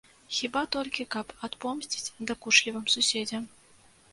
Хіба толькі, каб адпомсціць дакучлівым суседзям.